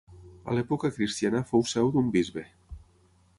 A l'època cristiana fou seu d'un bisbe.